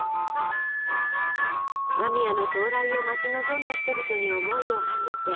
間宮の到来を待ち望んだ人々に思いをはせて。